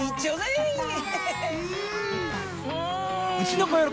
うん！